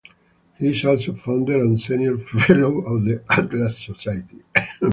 He is also founder and senior fellow of The Atlas Society.